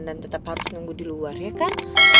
dan tetap harus nunggu di luar ya kan